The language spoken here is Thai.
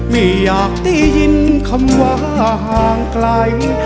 ไม่อยากได้ยินคำว่าห่างไกล